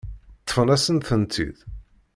Ṭṭfen-asen-tent-id.